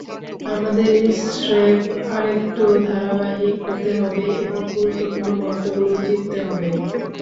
আমাদের স্রেফ আরেকটু ধারাবাহিক হতে হবে এবং গুরুত্বপূর্ণ মুহূর্তগুলো জিততে হবে।